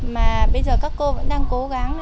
mà bây giờ các cô vẫn đang cố gắng